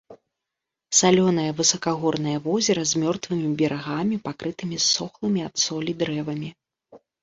Салёнае высакагорнае возера з мёртвымі берагамі, пакрытымі ссохлымі ад солі дрэвамі.